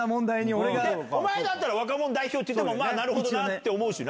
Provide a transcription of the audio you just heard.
お前だったら、若者代表って言ってもね、なるほどなって思うしな。